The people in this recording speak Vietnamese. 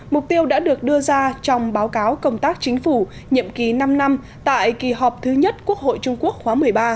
mục tiêu đã được đưa ra trong báo cáo công tác chính phủ nhiệm kỳ năm năm tại kỳ họp thứ nhất quốc hội trung quốc khóa một mươi ba